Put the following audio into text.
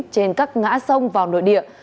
trên các ngã sông vào nội địa